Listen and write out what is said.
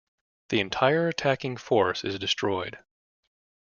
The entire attacking force is destroyed.